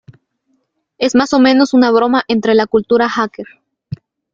Es más o menos una broma entre la cultura hacker.